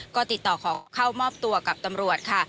ก็ติดต่อขอเข้ามอบตัวกับตำรวจค่ะ